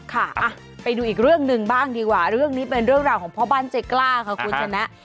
ค่ะไปดูอีกเรื่องหนึ่งบ้างดีกว่าเรื่องนี้เป็นเรื่องราวของพ่อบ้านใจกล้าค่ะคุณชนะ